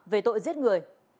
về tội giết người